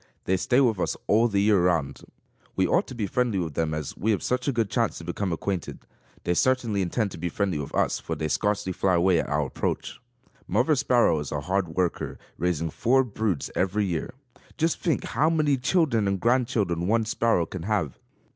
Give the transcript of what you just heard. They stay with us all the year round. We ought to be friendly with them as we have such a good chance to become acquainted. They certainly intend to be friendly with us for they scarcely fly away at our approach. Mother Sparrow is a hard worker, raising four broods every year. Just think how many children and grand children one sparrow can have!